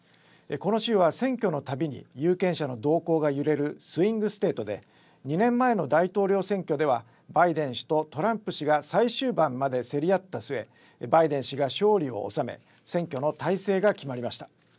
この州は選挙のたびに有権者の動向が揺れるスイング・ステートで２年前の大統領選挙ではバイデン氏とトランプ氏が最終盤まで競り合った末、バイデン氏が勝利を収め選挙の大勢が決まりました。